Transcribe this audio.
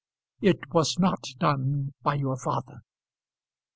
"It was not done by your father."